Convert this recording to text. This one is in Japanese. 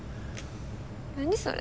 何それ。